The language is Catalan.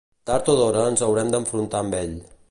Tard o d'hora ens haurem d'enfrontar amb ell.